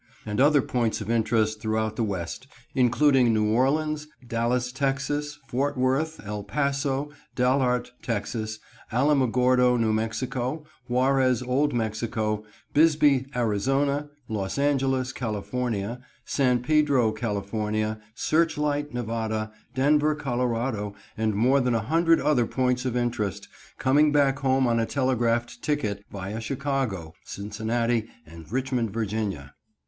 and other points of interest throughout the West, including New Orleans, Dallas, Texas, Fort Worth, El Paso, Dalhart, Texas, Alamogordo, New Mexico, Juarez, Old Mexico, Bisbee, Arizona, Los Angeles, California, San Pedro, California, Searchlight, Nevada, Denver, Colorado, and more than a hundred other points of interest, coming back home on a telegraphed ticket, via Chicago, Cincinnati, and Richmond, Virginia.